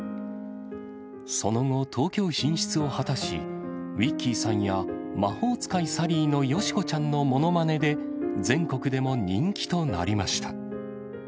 その後、東京進出を果たし、ウィッキーさんや魔法使いサリーのよし子ちゃんのものまねで、全国でも人気となりました。